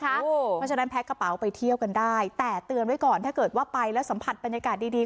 เพราะฉะนั้นแพ็คกระเป๋าไปเที่ยวกันได้แต่เตือนไว้ก่อนถ้าเกิดว่าไปแล้วสัมผัสบรรยากาศดี